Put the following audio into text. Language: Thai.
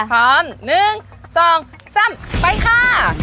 พร้อม๑๒๓ไปค่ะ